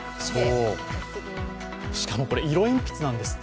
しかもこれ、色鉛筆なんですって